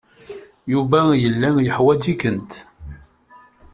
Yuba yella yeḥwaj-ikent.